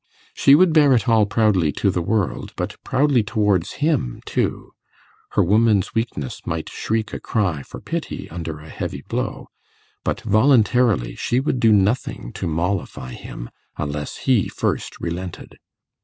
She would bear it all proudly to the world, but proudly towards him too; her woman's weakness might shriek a cry for pity under a heavy blow, but voluntarily she would do nothing to mollify him, unless he first relented.